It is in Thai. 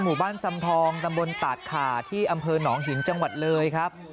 หมู่บ้านสำทองตำบลตาดขาที่อำเภอหนองหินจังหวัดเลยครับ